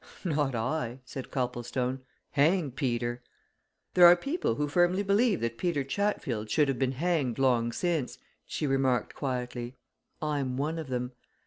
"Not I!" said Copplestone. "Hang Peter!" "There are people who firmly believe that Peter Chatfield should have been hanged long since," she remarked quietly. "I'm one of them.